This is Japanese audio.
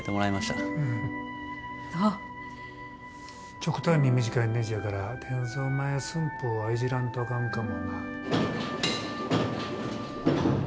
極端に短いねじやから転造前寸法はいじらんとあかんかもな。